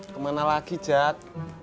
kemana lagi jad